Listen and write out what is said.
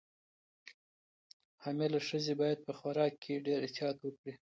حامله ښځې باید په خوراک کې ډېر احتیاط وکړي.